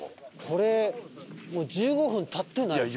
これもう１５分経ってないですか？